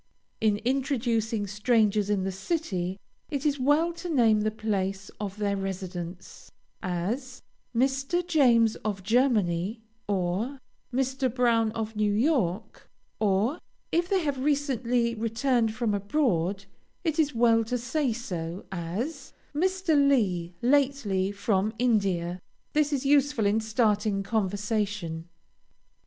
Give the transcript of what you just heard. In introducing strangers in the city it is well to name the place of their residence, as Mr. James of Germany, or, Mr. Brown of New York, or, if they have recently returned from abroad, it is well to say so, as, Mr. Lee, lately from India; this is useful in starting conversation.